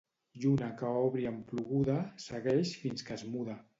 Lluna que obri amb ploguda, segueix fins que es muda.